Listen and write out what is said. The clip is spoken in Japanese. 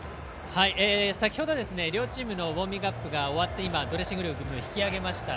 先ほど、両チームのウォーミングアップが終わってドレッシングルームに引き揚げました。